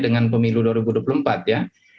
dengan pemilu dua ribu dua puluh empat ya